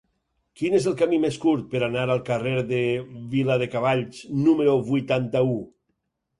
Quin és el camí més curt per anar al carrer de Viladecavalls número vuitanta-u?